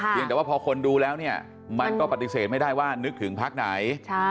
ยังแต่ว่าพอคนดูแล้วเนี่ยมันก็ปฏิเสธไม่ได้ว่านึกถึงพักไหน